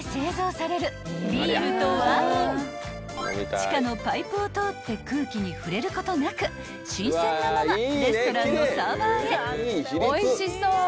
［地下のパイプを通って空気に触れることなく新鮮なままレストランのサーバーへ］